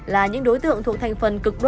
là những đối tượng thuộc thành phần cực đoan